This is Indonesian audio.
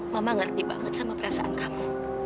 memang ngerti banget sama perasaan kamu